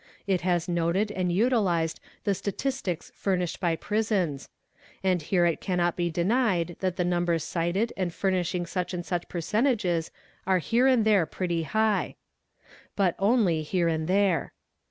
It has noted and utilised the statistics furnished by prisons; and here it cannot be denied that the numbers cited and furnishing such and such percentages are here and there pretty high; but only here and there.